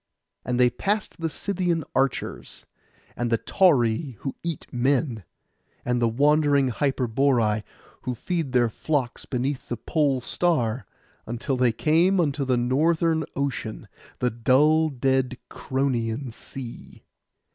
{131a} And they passed the Scythian archers, and the Tauri who eat men, and the wandering Hyperboreai, who feed their flocks beneath the pole star, until they came into the northern ocean, the dull dead Cronian Sea.